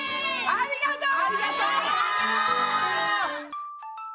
ありがとう！